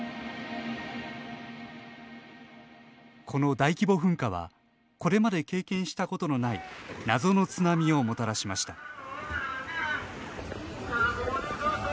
この大規模噴火はこれまで経験したことのない謎の津波をもたらしました。